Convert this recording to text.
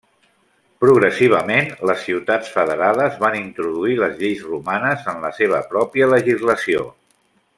Progressivament les ciutats federades van introduir les lleis romanes en la seva pròpia legislació.